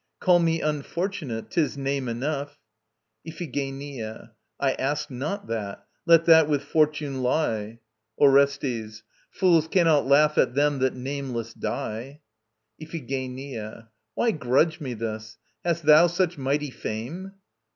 Call me Unfortunate. 'Tis name enough. IPHIGENIA. I asked not that. Let that with Fortune lie. ORESTES. Fools cannot laugh at them that nameless die. IPHIGENIA. Why grudge me this? Hast thou such mighty fame?